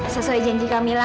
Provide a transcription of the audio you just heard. sesuai janji kak mila